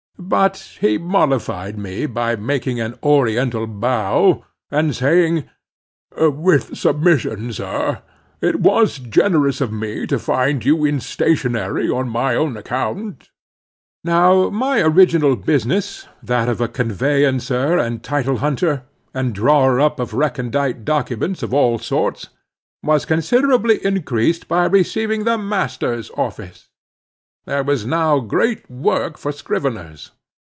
But he mollified me by making an oriental bow, and saying—"With submission, sir, it was generous of me to find you in stationery on my own account." Now my original business—that of a conveyancer and title hunter, and drawer up of recondite documents of all sorts—was considerably increased by receiving the master's office. There was now great work for scriveners.